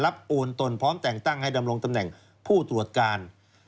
โอนตนพร้อมแต่งตั้งให้ดำรงตำแหน่งผู้ตรวจการ